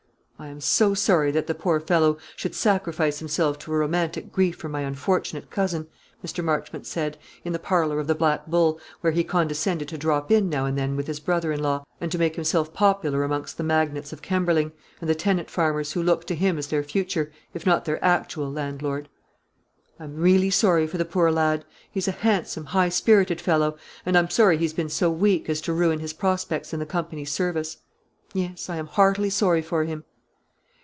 "I am so sorry that the poor fellow should sacrifice himself to a romantic grief for my unfortunate cousin," Mr. Marchmont said, in the parlour of the Black Bull, where he condescended to drop in now and then with his brother in law, and to make himself popular amongst the magnates of Kemberling, and the tenant farmers, who looked to him as their future, if not their actual, landlord. "I am really sorry for the poor lad. He's a handsome, high spirited fellow, and I'm sorry he's been so weak as to ruin his prospects in the Company's service. Yes; I am heartily sorry for him."